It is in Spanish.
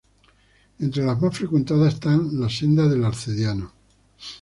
Entre las más frecuentadas están la "Senda del Arcediano".